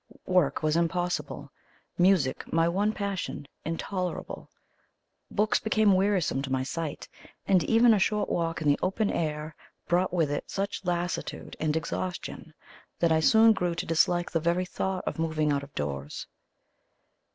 Work was impossible; music, my one passion, intolerable; books became wearisome to my sight; and even a short walk in the open air brought with it such lassitude and exhaustion, that I soon grew to dislike the very thought of moving out of doors.